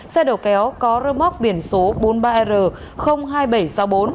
xe đầu kéo có rơ móc biển số bốn mươi ba r hai nghìn bảy trăm sáu mươi bốn